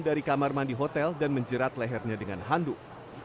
dari kamar mandi hotel dan menjerat lehernya dengan handuk